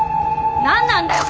何なんだよ！